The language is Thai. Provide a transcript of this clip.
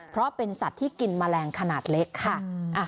เพราะเป็นสัตว์ที่กินแมลงขนาดเล็กค่ะ